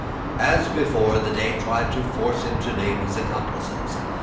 As before, the Dey tried to force him to name his accomplices.